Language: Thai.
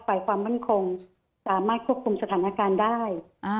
ฝ่ายความมั่นคงสามารถควบคุมสถานการณ์ได้